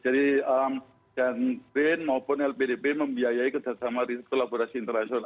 jadi brain maupun lpdp membiayai kerjasama riset kolaborasi internasional